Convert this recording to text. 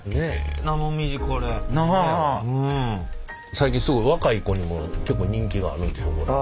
最近すごい若い子にも結構人気があるということで。